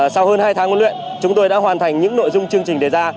sau hơn hai tháng huấn luyện chúng tôi đã hoàn thành những nội dung chương trình đề ra